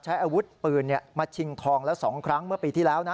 ใช้อาวุธปืนมาชิงทองแล้ว๒ครั้งเมื่อปีที่แล้วนะ